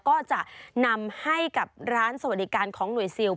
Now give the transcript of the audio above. ก็จะนำให้กับร้านสวัสดิการของหน่วยซิล